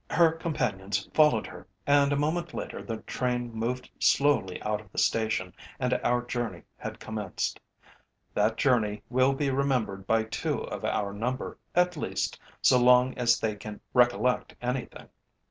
Her companions followed her, and a moment later the train moved slowly out of the station and our journey had commenced. That journey will be remembered by two of our number, at least, so long as they can recollect anything.